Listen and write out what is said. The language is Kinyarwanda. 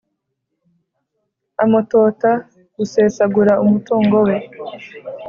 amutota gusesagura umutungo we